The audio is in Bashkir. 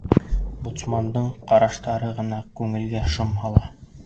Боцмандың ҡараштары ғына күңелгә шом һала.